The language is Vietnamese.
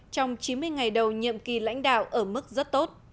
trong chín mươi ngày đầu nhiệm kỳ lãnh đạo ở mức rất tốt